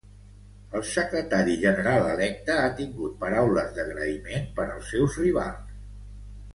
El secretari general electe ha tingut paraules d’agraïment per als seus rivals.